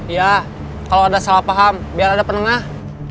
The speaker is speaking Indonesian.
ya kalau ada salah paham biar ada penengah